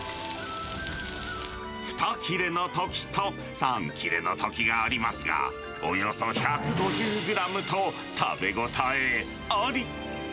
２切れのときと３切れのときがありますが、およそ１５０グラムと、食べ応えあり。